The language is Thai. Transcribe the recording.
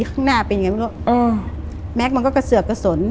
ข้างหน้าไปเนี้ยเหมือนกันว่าอ้อแม็กซ์มันก็กระเสือกกระสน